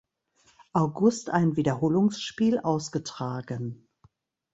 August ein Wiederholungsspiel ausgetragen.